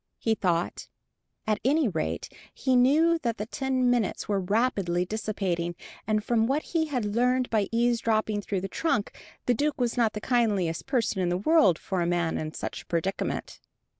he thought. At any rate he knew that the ten minutes were rapidly dissipating, and from what he had learned by eavesdropping through the trunk, the Duke was not the kindliest person in the world for a man in such a predicament.